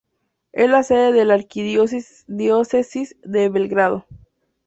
Es la sede de la Arquidiócesis de Belgrado.